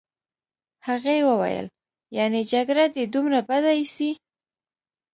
هغې وویل: یعني جګړه دي دومره بده ایسي.